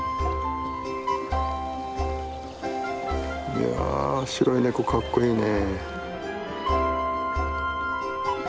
いや白いネコかっこいいね。